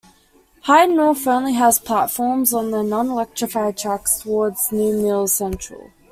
Hyde North only has platforms on the non-electrified tracks towards New Mills Central.